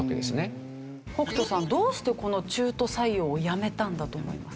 北斗さんどうしてこの中途採用をやめたんだと思いますか？